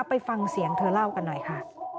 ไปฟังเสียงเธอเล่ากันหน่อยค่ะ